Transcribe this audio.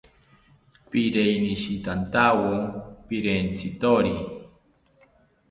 Pikeinishitantawo pirentzitori